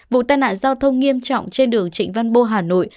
vụ tai nạn giao thông nghiêm trọng trên đường trịnh văn bô hà nội